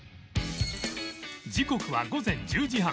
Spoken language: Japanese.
時刻は午前１０時半